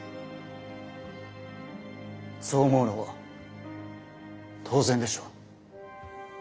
そう思うのも当然でしょう。